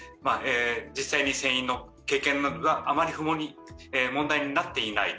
実際に船員の経験があまり問題になっていない。